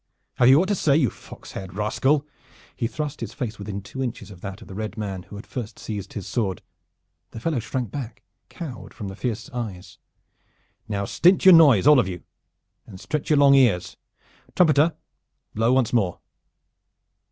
Have you aught to say, you fox haired rascal?" He thrust his face within two inches of that of the red man who had first seized his sword. The fellow shrank back, cowed, from his fierce eyes. "Now stint your noise, all of you, and stretch your long ears. Trumpeter, blow once more!"